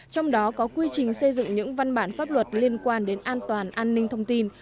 trong đó có quy trình xây dựng những văn bản pháp luật liên quan đến an toàn an ninh thông tin